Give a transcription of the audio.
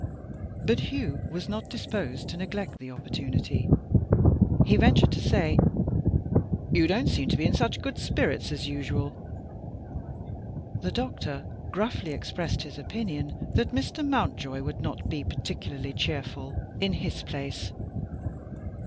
But Hugh was not disposed to neglect the opportunity; he ventured to say: "You don't seem to be in such good spirits as usual." The doctor gruffly expressed his opinion that Mr. Mountjoy would not be particularly cheerful, in his place.